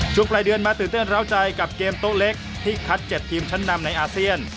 ปลายเดือนมาตื่นเต้นร้าวใจกับเกมโต๊ะเล็กที่คัด๗ทีมชั้นนำในอาเซียน